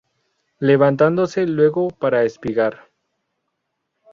Levantóse luego para espigar.